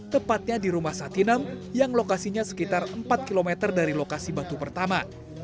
tepatnya di rumah satinam yang lokasinya sekitar empat km dari lokasi batu pertama